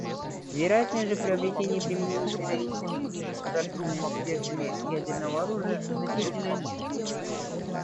Вероятность же приобретения и применения террористами и негосударственными субъектами ядерного оружия значительно ниже.